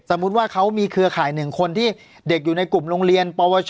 มุติว่าเขามีเครือข่าย๑คนที่เด็กอยู่ในกลุ่มโรงเรียนปวช